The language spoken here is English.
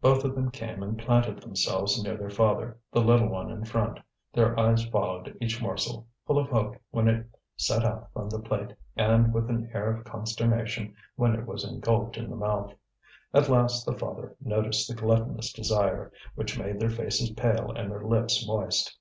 Both of them came and planted themselves near their father, the little one in front. Their eyes followed each morsel, full of hope when it set out from the plate and with an air of consternation when it was engulfed in the mouth. At last the father noticed the gluttonous desire which made their faces pale and their lips moist.